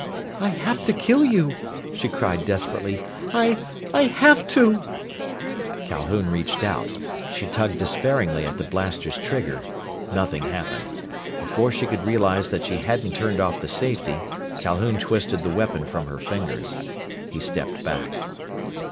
"I have to kill you!" she cried desperately. "I I have to!" Calhoun reached out. She tugged despairingly at the blaster's trigger. Nothing happened. Before she could realize that she hadn't turned off the safety, Calhoun twisted the weapon from her fingers. He stepped back.